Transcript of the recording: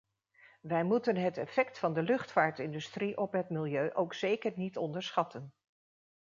Wij moeten het effect van de luchtvaartindustrie op het milieu ook zeker niet onderschatten.